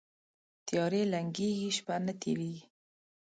تیارې لنګیږي، شپه نه تیریږي